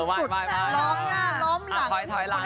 ล้อมหน้าล้อมหลัง